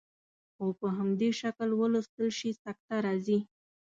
خو په همدې شکل ولوستل شي سکته راځي.